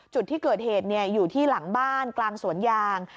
จุดที่เกิดเหตุอยู่ที่หลังบ้านกลางสวนยาง